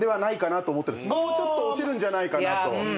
もうちょっと落ちるんじゃないかなと。